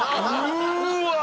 うわ！